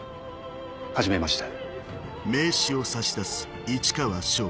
はじめまして。